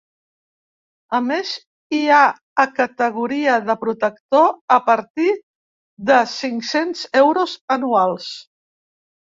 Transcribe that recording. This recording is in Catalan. A més, hi ha a categoria de protector, a partir de cinc-cents euros anuals.